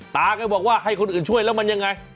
ตาก็บอกว่าให้คนอื่นช่วยแล้วมันยังไง